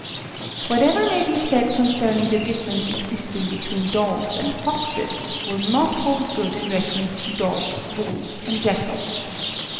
Whatever may be said concerning the difference existing between dogs and foxes will not hold good in reference to dogs, wolves, and jackals.